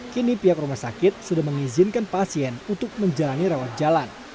kini pihak rumah sakit sudah mengizinkan pasien untuk menjalani rawat jalan